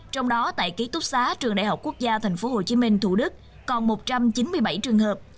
trong đó tại ký túc xá trường đại học quốc gia tp hcm thủ đức còn một trăm chín mươi bảy trường hợp